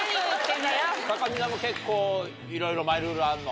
たかみなも結構いろいろマイルールあんの？